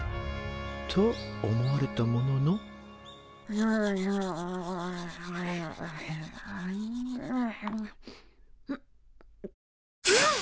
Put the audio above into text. と思われたもののんぐっ！